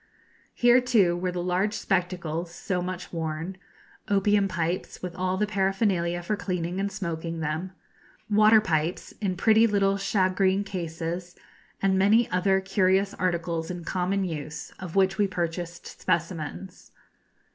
Here, too, were the large spectacles so much worn; opium pipes, with all the paraphernalia for cleaning and smoking them; water pipes in pretty little shagreen cases, and many other curious articles in common use, of which we purchased specimens.